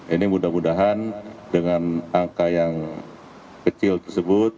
ini mudah mudahan dengan angka yang kecil tersebut